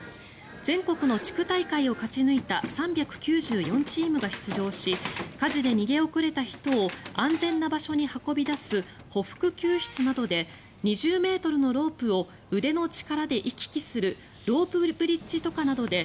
全国の地区大会を勝ち抜いた３９４チームが出場し火事で逃げ遅れた人を安全な場所に運び出すほふく救出などで２０ｍのロープを腕の力で行き来するロープブリッジ渡過などで